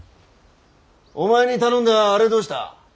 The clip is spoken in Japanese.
お前に頼んだあれはどうした？